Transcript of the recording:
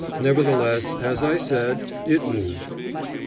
Nevertheless, as I said, it moved.